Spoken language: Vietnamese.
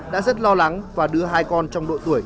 đã rất lo lắng và đưa hai con trong độ tuổi